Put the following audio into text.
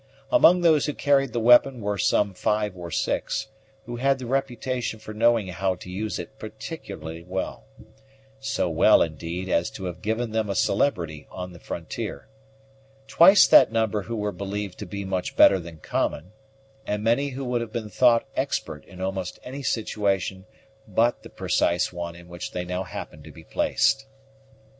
Among those who carried the weapon were some five or six, who had reputation for knowing how to use it particularly well so well, indeed, as to have given them a celebrity on the frontier; twice that number who were believed to be much better than common; and many who would have been thought expert in almost any situation but the precise one in which they now happened to be placed.